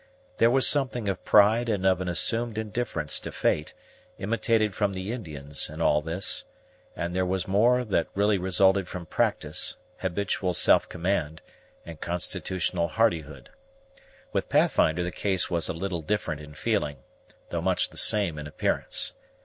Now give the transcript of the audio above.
There was something of pride and of an assumed indifference to fate, imitated from the Indians, in all this; but there was more that really resulted from practice, habitual self command, and constitutional hardihood. With Pathfinder the case was a little different in feeling, though much the same in appearance.